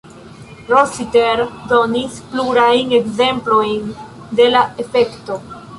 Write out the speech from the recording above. Rossiter donis plurajn ekzemplojn de la efekto.